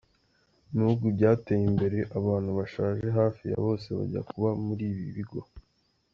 Mu bihugu byateye imbere, abantu bashaje hafi ya bose bajya kuba muli ibi bigo.